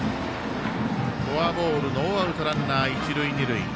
フォアボール、ノーアウト一塁二塁。